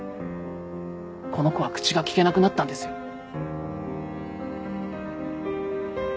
この子は口が利けなくなったんですよ。